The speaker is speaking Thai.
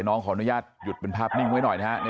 น้องขออนุญาตหยุดเป็นภาพนิ่งไว้หน่อยนะฮะ